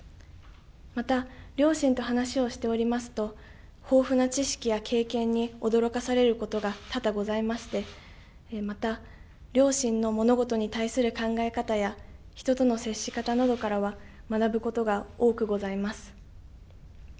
また両親と話をしておりますと豊富な知識や経験に驚かされることが多々ございましてまた、両親の物事に対する考え方や人との接し方などからは学ぶことが多くございます。